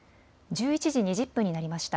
１１時２０分になりました。